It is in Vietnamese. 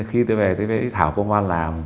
khi tôi về tôi thấy thảo công văn làm